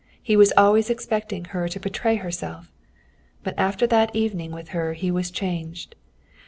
He was always expecting her to betray herself. But after that evening with her he changed.